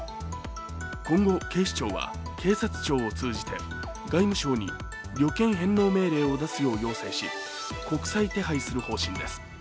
今後、警視庁は警察庁を通じて外務省に旅券返納命令を出すよう要請し、国際手配する方針です。